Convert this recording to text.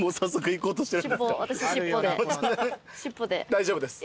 大丈夫です。